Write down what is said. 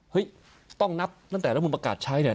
เฮ้ยต้องนับตั้งแต่ละมุมประกาศใช้เนี่ย